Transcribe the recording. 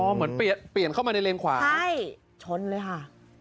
อ๋อเหมือนเปลี่ยนเข้ามาในเลนส์ขวาใช่ชนเลยค่ะ